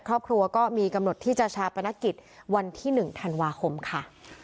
ครอบครัวก็มีกำหนดที่จะชาปนกิจวันที่๑ธันวาคมค่ะ